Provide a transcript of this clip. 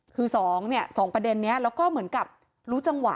คือสองเนี่ยสองประเด็นนี้แล้วก็เหมือนกับรู้จังหวะ